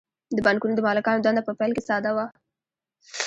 د بانکونو د مالکانو دنده په پیل کې ساده وه